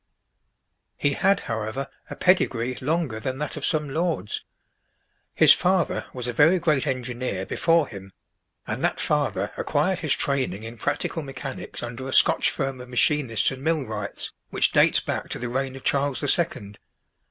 He had, however, a pedigree longer than that of some lords. His father was a very great engineer before him, and that father acquired his training in practical mechanics under a Scotch firm of machinists and mill wrights which dates back to the reign of Charles the Second.